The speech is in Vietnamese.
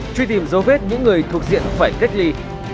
truy tìm dấu vết những người thuộc diện phải cách ly